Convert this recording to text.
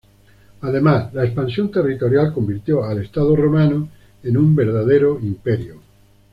Además, la expansión territorial convirtió al Estado romano en un verdadero imperio.